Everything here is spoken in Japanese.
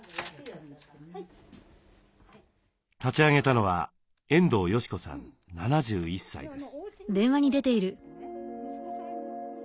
立ち上げたのは遠藤良子さん７１歳です。